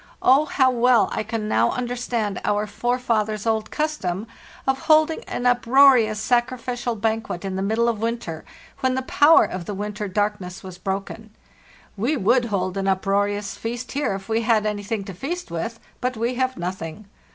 Oh, how well I can now understand our forefathers' old cus tom of holding an uproarious sacrificial banquet in the middle of winter, when the power of the winter dark ness was broken. We would hold an uproarious feast here if we had anything to feast with; but we have nothing.